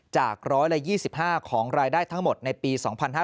จากร้อยละ๒๕ของรายได้ทั้งหมดในปี๒๕๕๔